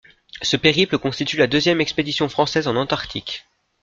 Ce périple constitue la deuxième expédition française en Antarctique.